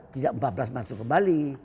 tidak empat belas masuk kembali